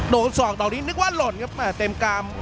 โดนศอกตอนนี้นึกว่าหล่นครับแต่เต็มกราม